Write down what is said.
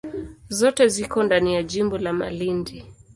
Zote ziko ndani ya jimbo la Malindi.